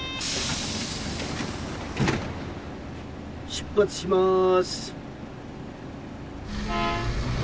「出発します」。